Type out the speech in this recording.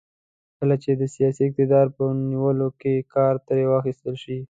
کله چې د سیاسي اقتدار په نیولو کې کار ترې واخیستل شي.